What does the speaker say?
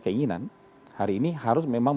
keinginan hari ini harus memang